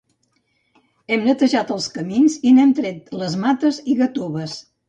Hem netejat els camins, i n'hem tret les mates i gatoves.